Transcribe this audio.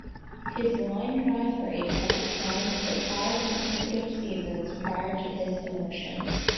His line-drive rate had declined for five consecutive seasons prior to his demotion.